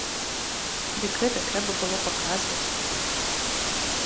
Дык гэта трэба было паказваць.